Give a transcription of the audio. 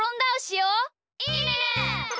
いいね！